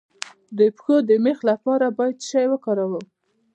د پښو د میخ لپاره باید څه شی وکاروم؟